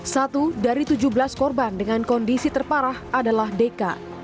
satu dari tujuh belas korban dengan kondisi terparah adalah deka